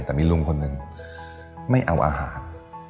แต่มีลุงคนหนึ่งไม่เอาอาหาร